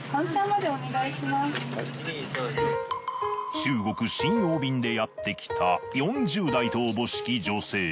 中国瀋陽便でやってきた４０代とおぼしき女性。